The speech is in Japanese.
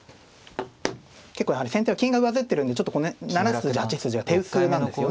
結構やはり先手は金が上ずってるんでちょっとこの辺７筋８筋は手薄なんですよね。